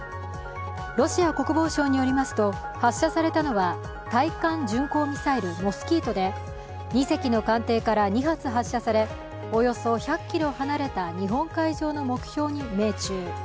ロシア国防省によりますと、発射されたのは対艦巡航ミサイル、モスキートで、２隻の艦艇から２発発射され、およそ１００ｋｍ離れた日本海上の目標に命中。